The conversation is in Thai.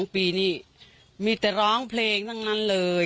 ปีนี้มีแต่ร้องเพลงทั้งนั้นเลย